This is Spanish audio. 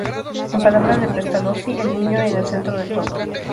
En palabras de Pestalozzi: "El niño en el centro de todo".